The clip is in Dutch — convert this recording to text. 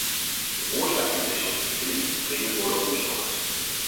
De oorzaak van deze ontwikkeling moet dringend worden onderzocht.